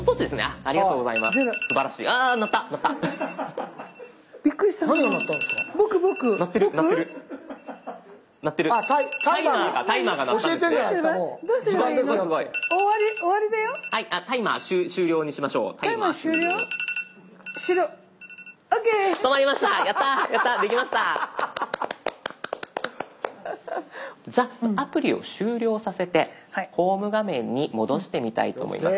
じゃあアプリを終了させてホーム画面に戻してみたいと思います。